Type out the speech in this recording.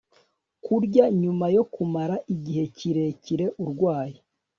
kurya nyuma yo kumara igihe kirekire arwaye